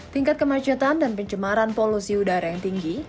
tingkat kemacetan dan pencemaran polusi udara yang tinggi